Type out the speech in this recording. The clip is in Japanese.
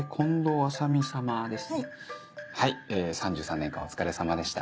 はい３３年間お疲れさまでした。